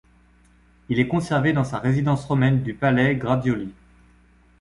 Il est conservé dans sa résidence romaine du palais Grazioli.